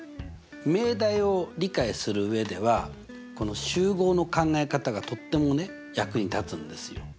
命題を理解する上ではこの集合の考え方がとってもね役に立つんですよ。